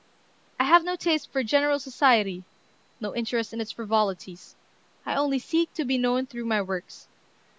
I have no taste for general society, no interest in its frivolities. I only seek to be known through my works.